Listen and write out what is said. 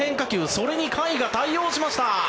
それに甲斐が対応しました。